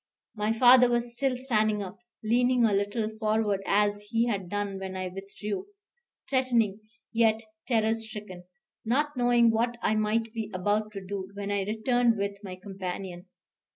My father was still standing up, leaning a little forward as he had done when I withdrew; threatening, yet terror stricken, not knowing what I might be about to do, when I returned with my companion.